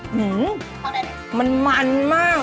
หือมันมันมาก